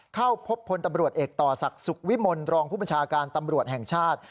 เข้าพบคนตำรวจเอกต่อศักดิ์สุขวิมลรองพบตรแห่งชาติ